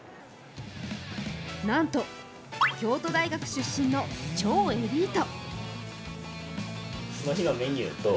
なんと京都大学出身の超エリート。